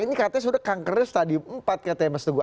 ini katanya sudah kangkernya tadi empat katanya mas teguh